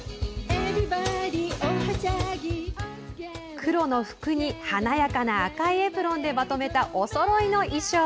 黒の服に華やかな赤いエプロンでまとめたおそろいの衣装。